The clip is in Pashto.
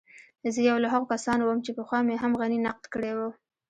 زه يو له هغو کسانو وم چې پخوا مې هم غني نقد کړی و.